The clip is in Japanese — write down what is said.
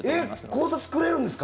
口座作れるんですか？